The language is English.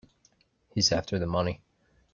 He's after the money.